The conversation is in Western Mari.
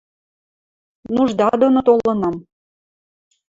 Нужда доно толынам.